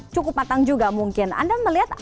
cukup matang juga mungkin anda melihat